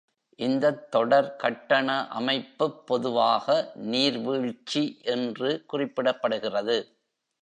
இந்தத் தொடர் கட்டண அமைப்புப் பொதுவாக "நீர்வீழ்ச்சி" என்று குறிப்பிடப்படுகிறது.